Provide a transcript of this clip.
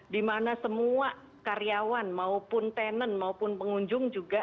di mana semua karyawan maupun tenen maupun pengunjung juga